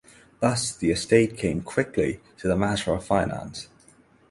Thus the estates came quickly to the matter of finance.